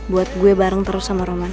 buat gue bareng terus sama roman